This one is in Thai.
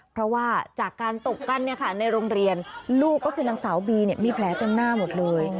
เพราะว่าจากการตกกั้นในโรงเรียนลูกก็คือนางสาวบีมีแผลเต็มหน้าหมดเลย